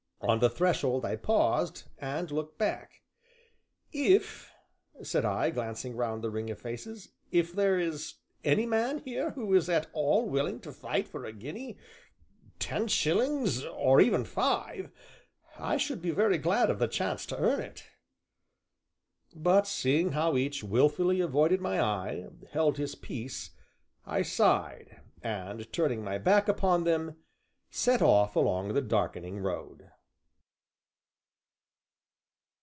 On the threshold I paused, and looked back. "If," said I, glancing round the ring of faces, "if there is any man here who is at all willing to fight for a guinea, ten shillings, or even five, I should be very glad of the chance to earn it." But, seeing how each, wilfully avoiding my eye, held his peace, I sighed, and turning my back upon them, set off along the darkening road.